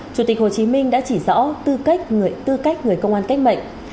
chủ tịch hồ chí minh đã chỉ rõ tư cách người công an cách mệnh